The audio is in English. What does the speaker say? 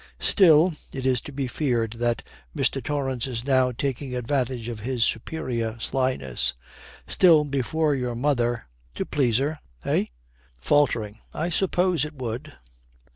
'Still ' It is to be feared that Mr. Torrance is now taking advantage of his superior slyness. 'Still, before your mother to please her eh?' Faltering, 'I suppose it would.'